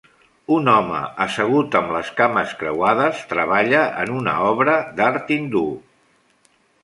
Un home assegut amb les cames creuades treballa en una obra d'art hindú.